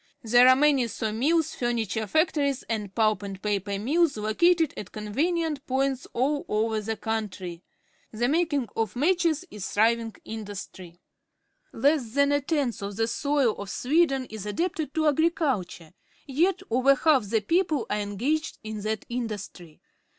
There are many saw mills, furniture factories, and pulp and paper mills located at conven ient points all over the country. The making of matches is a thriving industry. Less than a tenth of the soil of Sweden is adapted to agriculture, yet over half the people are engaged in that industry.